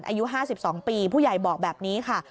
อายุ๕๒ปีผู้ใหญ่บอกแบบนี้ค่ะ